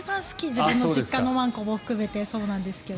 自分の実家のワンコも含めてそうなんですけど。